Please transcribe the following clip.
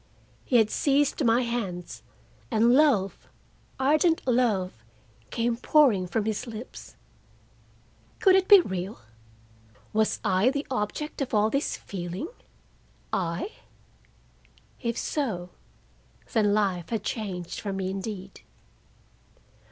He had seized my hands, and love, ardent love, came pouring from his lips. Could it be real? Was I the object of all this feeling, I? If so, then life had changed for me indeed.